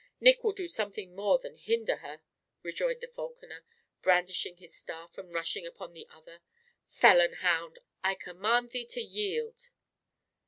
"Nick will do something more than hinder her," rejoined the falconer, brandishing his staff, and rushing upon the other. "Felon hound! I command thee to yield!"